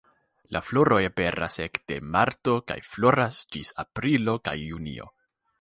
La floroj aperas ekde marto kaj floras ĝis aprilo kaj junio.